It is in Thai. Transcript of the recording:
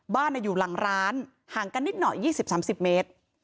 บ้านอยู่หลังร้านห่างกันนิดหน่อย๒๐๓๐เมตร